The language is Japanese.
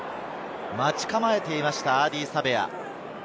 待ち構えていました、アーディー・サヴェア。